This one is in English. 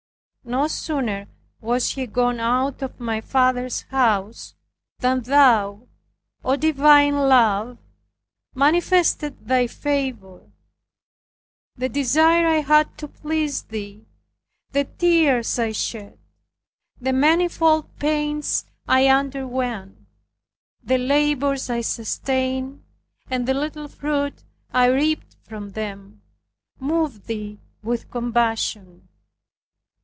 No sooner was he gone out of my father's house, than thou, O Divine Love, manifested thy favor. The desire I had to please Thee, the tears I shed, the manifold pains I underwent, the labors I sustained, and the little fruit I reaped from them, moved Thee with compassion.